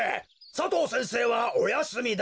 佐藤先生はおやすみだ。